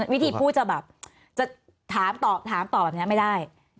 วิธีพูดจะถามตอบแบบนี้ไม่ได้